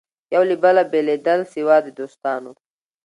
یو له بله بېلېدل سوه د دوستانو